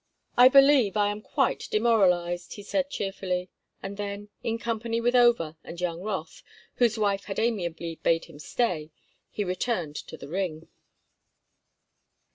"I believe I am quite demoralized," he said, cheerfully; and then, in company with Over and young Rothe—whose wife had amiably bade him stay—he returned to the ring.